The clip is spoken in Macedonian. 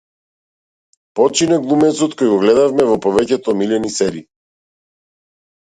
Почина глумецот кој го гледавме во повеќето омилени серии